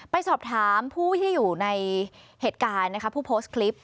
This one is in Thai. ไปสอบถามผู้ที่อยู่ในเหตุการณ์นะคะผู้โพสต์คลิป